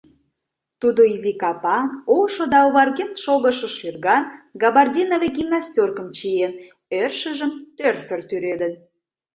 Тудо изи капан, ошо да оварген шогышо шӱрган, габардиновый гимнастеркым чиен, ӧршыжым тӧрсыр тӱредын.